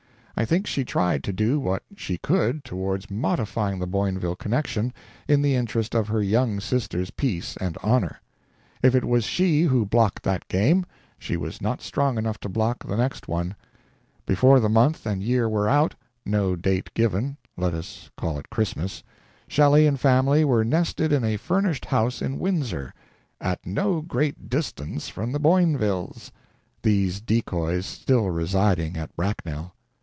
I think she tried to do what she could towards modifying the Boinville connection, in the interest of her young sister's peace and honor. If it was she who blocked that game, she was not strong enough to block the next one. Before the month and year were out no date given, let us call it Christmas Shelley and family were nested in a furnished house in Windsor, "at no great distance from the Boinvilles" these decoys still residing at Bracknell.